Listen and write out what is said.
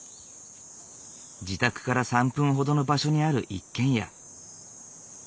自宅から３分ほどの場所にある一軒家。